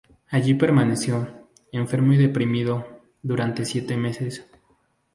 Allí permaneció, enfermo y deprimido, durante siete meses.